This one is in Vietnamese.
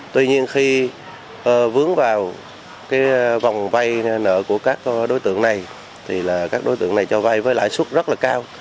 tuy nhiên khi vướng vào cái vòng vay nợ của các đối tượng này thì là các đối tượng này cho vay với lãi suất rất là cao